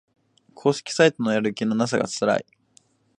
公式サイトのやる気のなさがつらい